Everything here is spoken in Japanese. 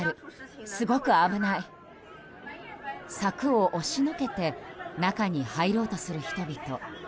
柵を押しのけて中に入ろうとする人々。